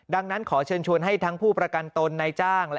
ดังนั้นขอเชิญชวนให้ทั้งผู้ประกันตนนายจ้าง